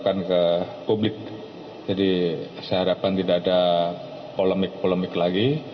bukan ke publik jadi saya harapkan tidak ada polemik polemik lagi